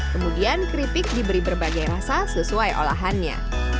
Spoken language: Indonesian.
kemudian keripik diberi berbagai rasa sesuai olahannya